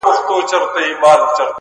o اوس سپوږمۍ نسته اوس رڼا نلرم ـ